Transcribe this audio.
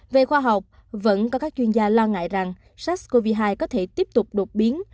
về khoa học vẫn có các chuyên gia lo ngại rằng sars cov hai có thể tiếp tục đột biến